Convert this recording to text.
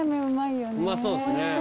うまそうですね。